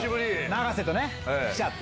長瀬と来ちゃって。